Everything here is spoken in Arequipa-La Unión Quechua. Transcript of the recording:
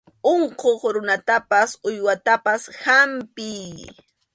Unquq runatapas uywatapas hampiy.